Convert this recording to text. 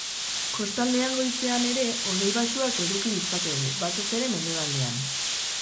Kostaldean goizean ere hodei baxuak eduki ditzakegu, batez ere mendebaldean.